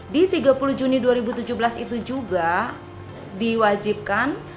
di tiga puluh juni dua ribu tujuh belas itu juga diwajibkan